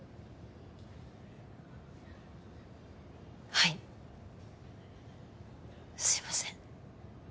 はいすいません